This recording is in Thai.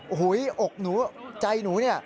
โอ้โหอกหนูใจหนูเนี่ย